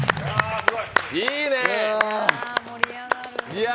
いいね。